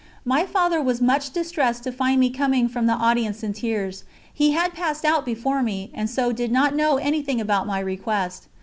My Father was much distressed to find me coming from the audience in tears; he had passed out before me, and so did not know anything about my request.